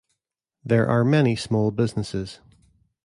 There are many small businesses.